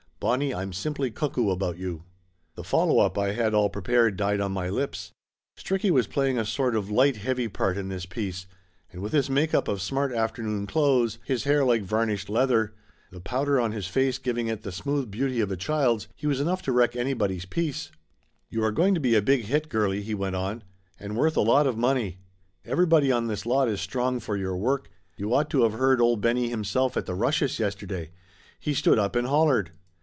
"Bonnie, I'm simply cuckoo about you!" The follow up I had all prepared died on my lips. Stricky was playing a sort of light heavy part in this piece, and with his make up of smart afternoon clothes, his hair like varnished leather, the powder on his face giving it the smooth beauty of a child's, he was enough to wreck anybody's peace. "You are going to be a big hit, girlie," he went on. "And worth a lot of money. Everybody on this lot is strong for your work. You ought to of heard old Benny himself at the rushes yesterday. He stood up and hollered."